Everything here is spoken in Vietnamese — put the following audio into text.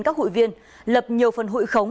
các hội viên lập nhiều phần hụi khống